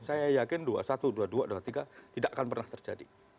saya yakin dua satu dua dua dua tiga tidak akan pernah terjadi